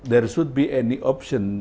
harus ada pilihan